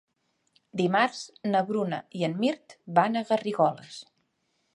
Dimarts na Bruna i en Mirt van a Garrigoles.